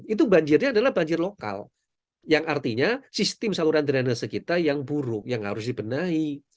itu banjirnya adalah banjir lokal yang artinya sistem saluran drainase kita yang buruk yang harus dibenahi